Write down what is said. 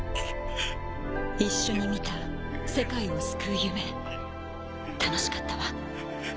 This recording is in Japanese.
一緒に見た世界を救う夢楽しかったわ。